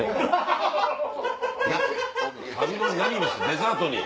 デザートに。